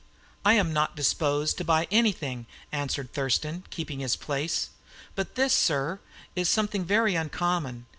"I am not disposed to buy anything," answered Thurston, keeping his place. "But this, sir, is something very uncommon.